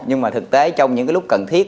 nhưng mà thực tế trong những lúc cần thiết